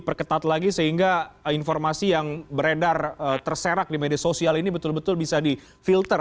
diperketat lagi sehingga informasi yang beredar terserak di media sosial ini betul betul bisa di filter